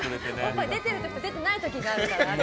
出てる時と出てない時があるから。